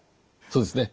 そうですね。